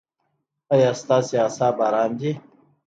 ایا ستاسو اعصاب ارام دي؟